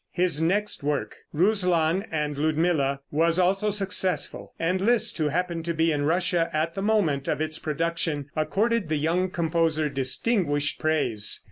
His next work, "Ruslan and Ludmilla," was also successful, and Liszt, who happened to be in Russia at the moment of its production, accorded the young composer distinguished praise.